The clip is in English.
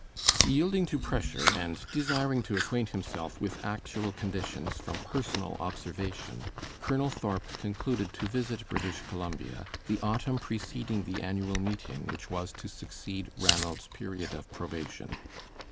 Yielding to pressure, and desiring to acquaint himself with actual conditions from personal observation, Colonel Thorp concluded to visit British Columbia the autumn preceding the annual meeting which was to succeed Ranald's period of probation.